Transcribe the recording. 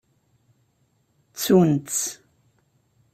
Ttunt-t.